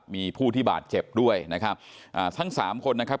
มีผู้ที่บาดเจ็บด้วยนะครับอ่าทั้งสามคนนะครับ